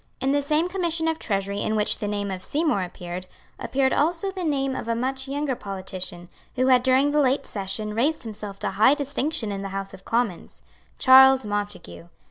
In the same Commission of Treasury in which the name of Seymour appeared, appeared also the name of a much younger politician, who had during the late session raised himself to high distinction in the House of Commons, Charles Montague.